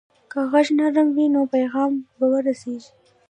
که غږ نرم وي، نو پیغام به ورسیږي.